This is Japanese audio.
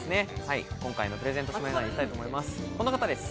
今回のプレゼント指名手配に行きたいと思います。